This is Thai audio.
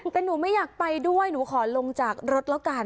แต่หนูไม่อยากไปด้วยหนูขอลงจากรถแล้วกัน